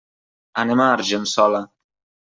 Anem a Argençola.